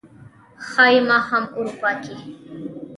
ښايي ما هم اروپا کې